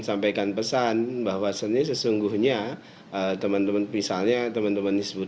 sampaikan pesan bahwasannya sesungguhnya teman teman misalnya teman teman disebut